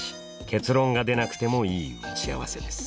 結論が出なくてもいい打ち合わせです。